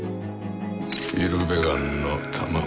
イルベガンの卵。